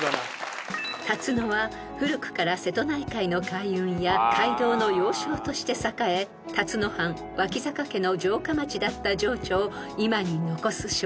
［龍野は古くから瀬戸内海の海運や街道の要衝として栄え龍野藩脇坂家の城下町だった情緒を今に残す小京都です］